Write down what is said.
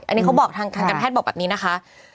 อันนี้เขาบอกทางการแพทย์บอกแบบนี้นะคะ